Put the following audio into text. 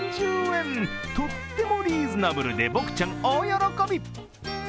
とってもリーズナブルで僕ちゃん大喜び。